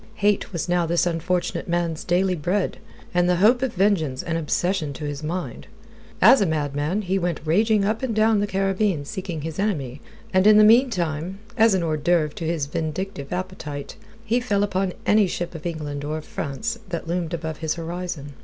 Hate was now this unfortunate man's daily bread, and the hope of vengeance an obsession to his mind. As a madman he went raging up and down the Caribbean seeking his enemy, and in the meantime, as an hors d'oeuvre to his vindictive appetite, he fell upon any ship of England or of France that loomed above his horizon.